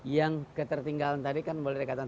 yang ketertinggalan tadi kan boleh dikatakan